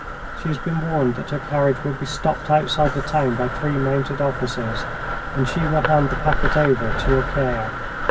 She has been warned that her carriage will be stopped outside the town by three mounted officers, and she will hand the packet over to your care.